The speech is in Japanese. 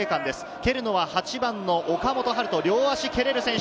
蹴るのは８番の岡本温叶、両足蹴れる選手。